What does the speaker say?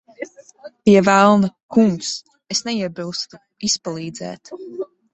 Pie velna, kungs. Es neiebilstu izpalīdzēt.